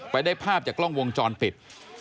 ได้ภาพจากกล้องวงจรปิด